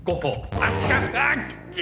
あっぎゃ！